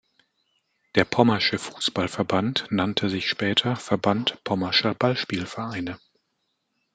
Der Pommersche Fußball-Verband nannte sich später Verband Pommerscher Ballspiel-Vereine.